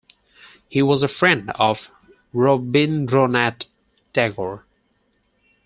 He was a friend of Rabindranath Tagore.